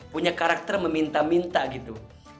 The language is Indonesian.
punya karakter meminta minta gitu